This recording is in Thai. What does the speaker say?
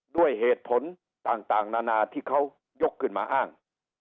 ด้วยเหตุผลต่างนานาที่เขายกขึ้นมาอ้าง